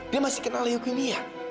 dia masih kenal leukimia